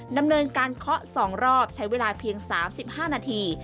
ดำเนินการเคาะ๒รอบใช้เวลาเพียง๓๕นาที